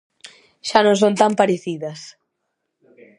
Xa non son tan parecidas.